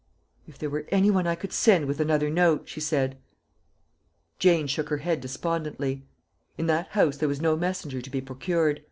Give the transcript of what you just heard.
"If there were any one I could send with another note," she said. Jane shook her head despondently. In that house there was no messenger to be procured.